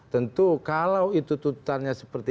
tentu kalau itu tutannya seperti